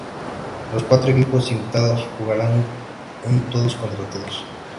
Los cuatro equipos invitados jugarán un todos contra todos.